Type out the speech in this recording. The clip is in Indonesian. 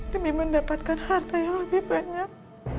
demi mendapatkan harta yang lebih banyak